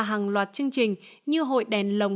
hàng loạt chương trình như hội đèn lồng